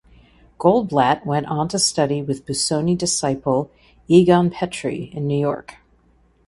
Goldblatt went on to study with Busoni disciple Egon Petri in New York.